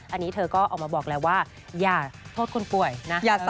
อันนี้เธอก็ออกมาบอกแล้วว่าอย่าโทษคนป่วยนะ